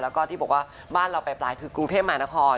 แล้วก็ที่บอกว่าบ้านเราปลายคือกรุงเทพมหานคร